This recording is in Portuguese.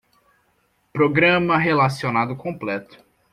Programa relacionado completo